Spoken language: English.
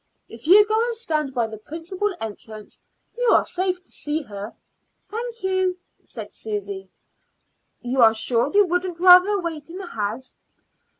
"If you go and stand by the principal entrance, you are safe to see her." "Thank you," said Susy. "You are sure you wouldn't rather wait in the house?"